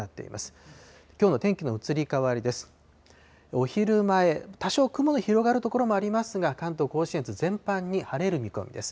お昼前、多少雲が広がる所もありますが、関東甲信越全般に晴れる見込みです。